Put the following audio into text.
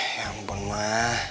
ya ampun ma